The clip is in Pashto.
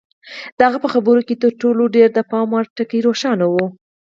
د هغه په خبرو کې تر ټولو ډېر د پام وړ ټکی روښانه و.